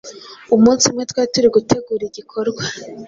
umunsi umwe twari turi gutegura igikorwa